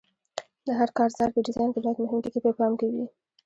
د هر کارزار په ډیزاین کې باید مهم ټکي په پام کې وي.